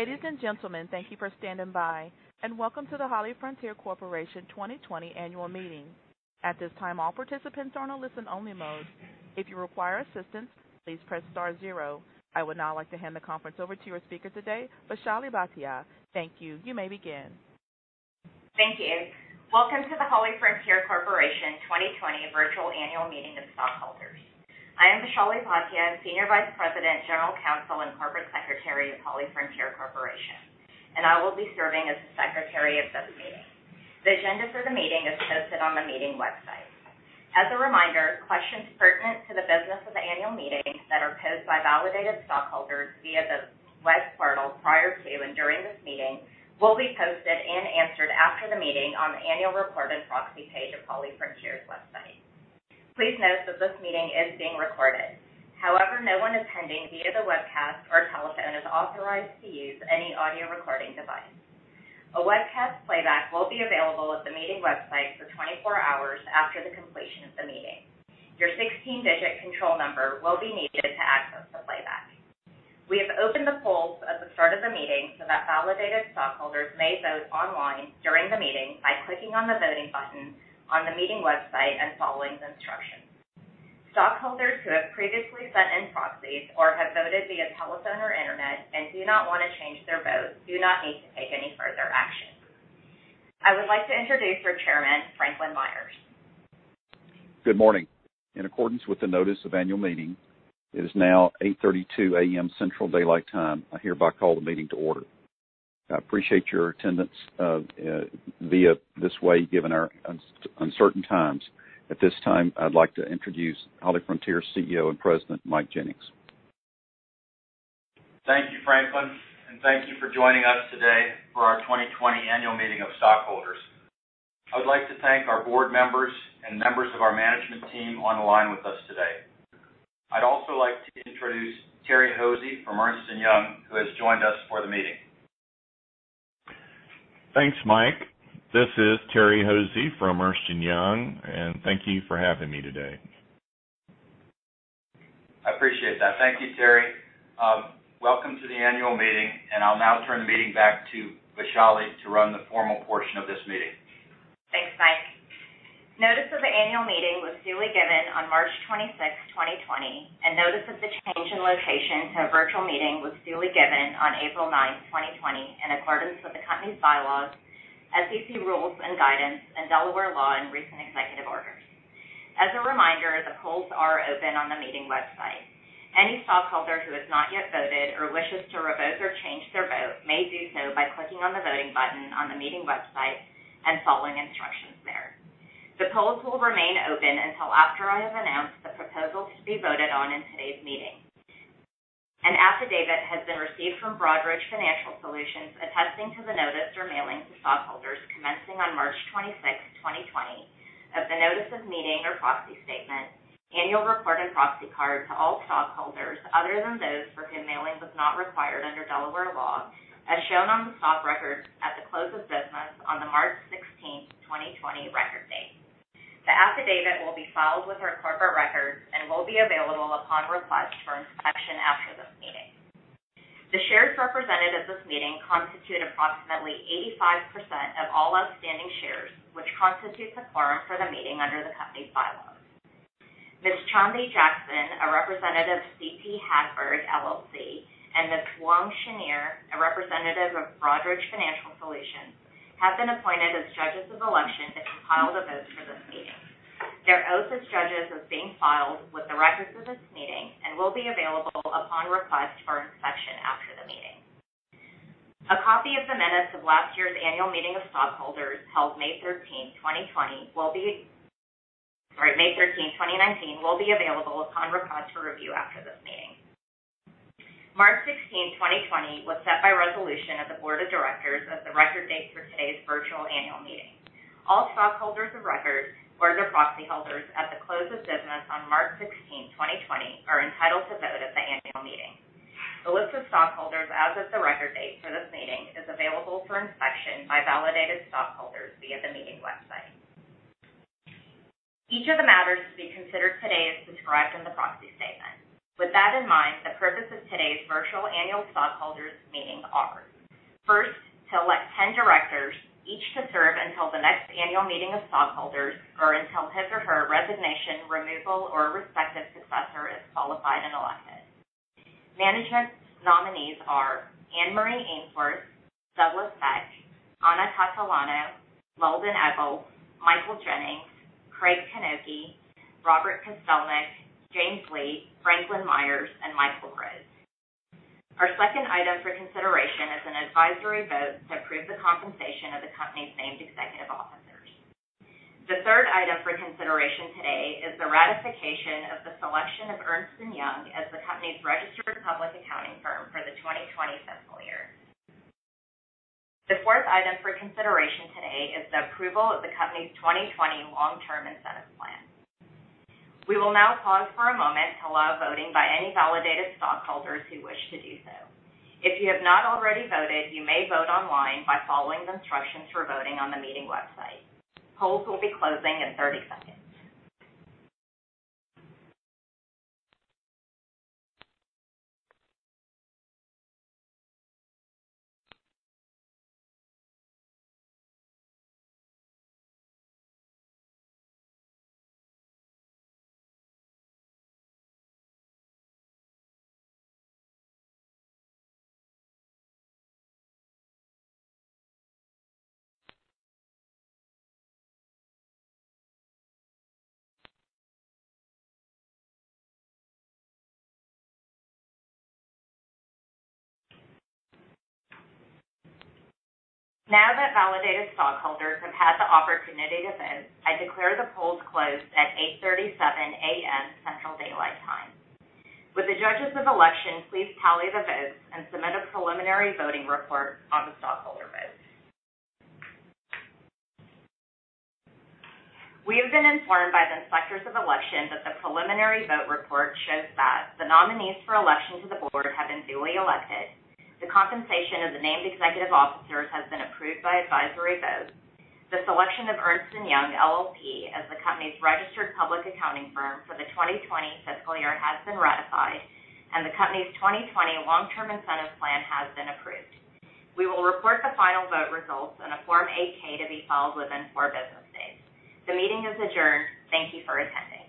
Ladies and gentlemen, thank you for standing by, and welcome to the HollyFrontier Corporation 2020 annual meeting. At this time, all participants are in a listen-only mode. If you require assistance, please press star zero. I would now like to hand the conference over to your speaker today, Vaishali Bhatia. Thank you. You may begin. Thank you. Welcome to the HollyFrontier Corporation 2020 virtual annual meeting of stockholders. I am Vaishali Bhatia, Senior Vice President, General Counsel, and Corporate Secretary of HollyFrontier Corporation, and I will be serving as the secretary of this meeting. The agenda for the meeting is posted on the meeting website. As a reminder, questions pertinent to the business of the annual meeting that are posed by validated stockholders via the web portal prior to and during this meeting will be posted and answered after the meeting on the annual report and proxy page of HollyFrontier's website. Please note that this meeting is being recorded. However, no one attending via the webcast or telephone is authorized to use any audio recording device. A webcast playback will be available at the meeting website for 24 hours after the completion of the meeting. Your 16-digit control number will be needed to access the playback. We have opened the polls at the start of the meeting so that validated stockholders may vote online during the meeting by clicking on the voting button on the meeting website and following the instructions. Stockholders who have previously sent in proxies or have voted via telephone or internet and do not want to change their vote do not need to take any further action. I would like to introduce your Chairman, Franklin Myers. Good morning. In accordance with the notice of annual meeting, it is now 8:32 A.M. Central Daylight Time. I hereby call the meeting to order. I appreciate your attendance via this way, given our uncertain times. At this time, I'd like to introduce HollyFrontier's CEO and President, Mike Jennings. Thank you, Franklin, and thank you for joining us today for our 2020 annual meeting of stockholders. I would like to thank our Board members and members of our management team online with us today. I'd also like to introduce Terry Hosey from Ernst & Young, who has joined us for the meeting. Thanks, Mike. This is Terry Hosey from Ernst & Young, and thank you for having me today. I appreciate that. Thank you, Terry. Welcome to the annual meeting, and I'll now turn the meeting back to Vaishali to run the formal portion of this meeting. Thanks, Mike. Notice of the annual meeting was duly given on March 26th, 2020, and notice of the change in location to a virtual meeting was duly given on April 9th, 2020, in accordance with the company's bylaws, SEC rules and guidance, and Delaware law and recent executive orders. As a reminder, the polls are open on the meeting website. Any stockholder who has not yet voted or wishes to revoke or change their vote may do so by clicking on the voting button on the meeting website and following instructions there. The polls will remain open until after I have announced the proposals to be voted on in today's meeting. An affidavit has been received from Broadridge Financial Solutions attesting to the notice or mailing to stockholders commencing on March 26th, 2020, of the notice of meeting or proxy statement, annual report and proxy card to all stockholders other than those for whom mailing was not required under Delaware law, as shown on the stock records at the close of business on the March 16th, 2020, record date. The affidavit will be filed with our corporate records and will be available upon request for inspection after this meeting. The shares represented at this meeting constitute approximately 85% of all outstanding shares, which constitutes a forum for the meeting under the company's bylaws. Ms. Chandni Jackson, a representative of CP Haford LLC and Ms. Von Kessel, a representative of Broadridge Financial Solutions, have been appointed as judges of election to compile the votes for this meeting. Their oath as judges is being filed with the records of this meeting and will be available upon request for inspection after the meeting. A copy of the minutes of last year's annual meeting of stockholders, held May 13th, 2020, will be Sorry, May 13th, 2019, will be available upon request for review after this meeting. March 16, 2020, was set by resolution of the Board of Directors as the record date for today's virtual annual meeting. All stockholders of record or their proxy holders at the close of business on March 16th, 2020, are entitled to vote at the annual meeting. The list of stockholders as of the record date for this meeting is available for inspection by validated stockholders via the meeting website. Each of the matters to be considered today is described in the proxy statement. With that in mind, the purpose of today's virtual annual stockholders meeting are, first, to elect 10 directors, each to serve until the next annual meeting of stockholders or until his or her resignation, removal, or respective successor is qualified and elected. Management's nominees are Anne-Marie Ainsworth, Douglas Foshee, Anna Catalano, Leldon Echols, Michael Jennings, Craig Knocke, Robert Kostelnik, James Lee, Franklin Myers, and Michael Rose. Our second item for consideration is an advisory vote to approve the compensation of the company's named executive officers. The third item for consideration today is the ratification of the selection of Ernst & Young as the company's registered public accounting firm for the 2020 fiscal year. The fourth item for consideration today is the approval of the company's 2020 long-term incentive plan. We will now pause for a moment to allow voting by any validated stockholders who wish to do so. If you have not already voted, you may vote online by following the instructions for voting on the meeting website. Polls will be closing in 30 seconds. Now that validated stockholders have had the opportunity to vote, I declare the polls closed at 8:37 A.M. Central Daylight Time. Would the judges of election please tally the votes and submit a preliminary voting report on the stockholder vote? We have been informed by the Inspectors of Election that the preliminary vote report shows that the nominees for election to the Board have been duly elected, the compensation of the named executive officers has been approved by advisory vote, the selection of Ernst & Young LLP as the company's registered public accounting firm for the 2020 fiscal year has been ratified, and the company's 2020 long-term incentive plan has been approved. We will report the final vote results in a Form 8-K to be filed within four business days. The meeting is adjourned. Thank you for attending.